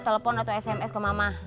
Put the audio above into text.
telepon atau sms ke mama